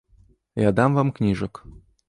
Я дам вам кніжак.